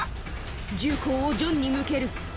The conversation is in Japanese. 銃口をジョンに向ける。